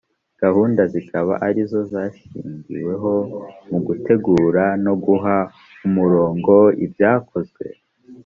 gahunda zikaba arizo zashigiweho mu gutegura no guha umurongo ibyakozwe